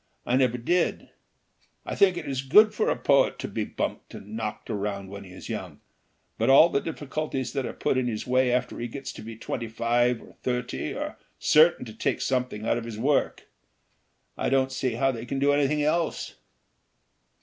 I never did. I think it is good for a poet to be bumped and knocked around when he is young, but all the difficulties that are put in his way after he gets to be twenty five or thirty are certain to take something out of his work. I don't see how they can do anything else.